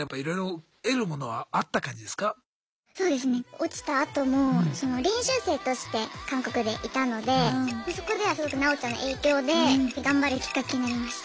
落ちたあとも練習生として韓国でいたのでそこではすごくなおちゃんの影響で頑張るきっかけになりました。